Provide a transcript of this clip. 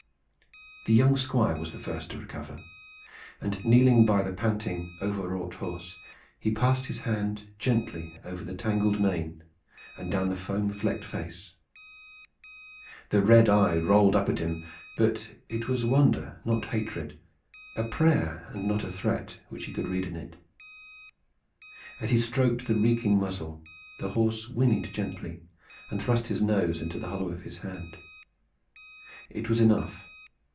The young Squire was the first to recover, and kneeling by the panting, overwrought horse he passed his hand gently over the tangled mane and down the foam flecked face. The red eye rolled up at him; but it was wonder not hatred, a prayer and not a threat, which he could read in it. As he stroked the reeking muzzle, the horse whinnied gently and thrust his nose into the hollow of his hand. It was enough.